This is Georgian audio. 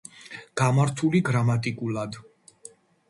გამართული გრამატიკულად